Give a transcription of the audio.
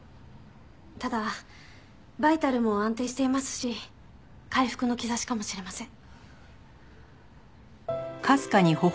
ただバイタルも安定していますし回復の兆しかもしれません。